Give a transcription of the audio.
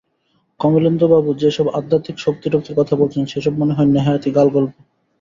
কমলেন্দুবাবু যে সব আধ্যাত্মিক শক্তিটক্তির কথা বলেছেন, সে সব মনে হয় নেহায়েতই গালগল্প।